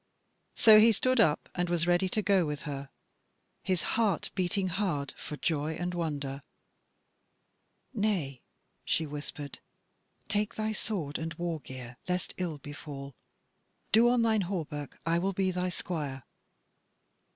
So he stood up and was ready to go with her, his heart beating hard for joy and wonder. "Nay," she whispered, "take thy sword and war gear lest ill befall: do on thine hauberk; I will be thy squire."